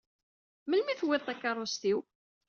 Melmi i tewwiḍ takeṛṛust-iw?